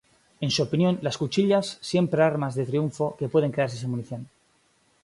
En su opinión, las cuchillas siempre armas de triunfo que pueden quedarse sin munición.